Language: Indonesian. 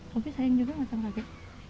sofi sayang juga gak sama rake